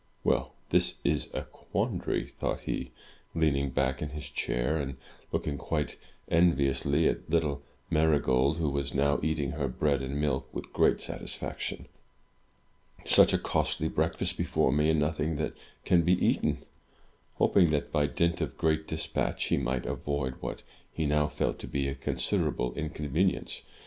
"Well, this is a quandary!" thought he, leaning back in his chair, and looking quite enviously at little Marygold, who was now eating her bread and milk with great satisfaction. "Such a costly breakfast before me, and nothing that can be eaten!" Hoping that, by dint of great dispatch, he might avoid what he now felt to be a considerable inconvenience.